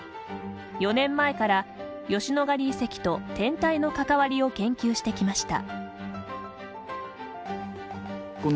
４年前から吉野ヶ里遺跡と天体の関わりを研究してきました。